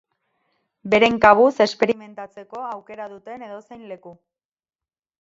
Beren kabuz esperimentatzeko aukera duten edozein leku.